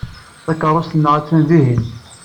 Takeṛṛust-nneɣ attan dihin.